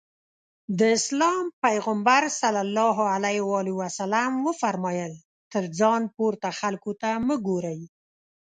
د اسلام پيغمبر ص وفرمايل تر ځان پورته خلکو ته مه ګورئ.